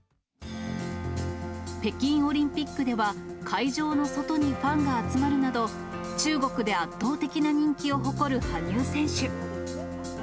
北京オリンピックでは、会場の外にファンが集まるなど、中国で圧倒的な人気を誇る羽生選手。